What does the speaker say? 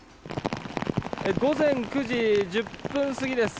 午前９時１０分過ぎです。